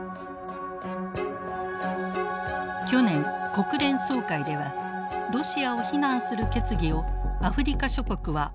去年国連総会ではロシアを非難する決議をアフリカ諸国は相次いで棄権。